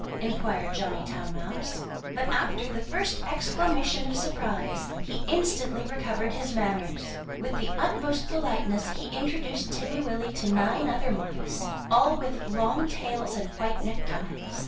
inquired Johnny Town mouse. But after the first exclamation of surprise he instantly recovered his manners. With the utmost politeness he introduced Timmy Willie to nine other mice, all with long tails and white neckties.